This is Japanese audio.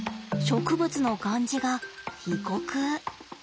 植物の感じが異国。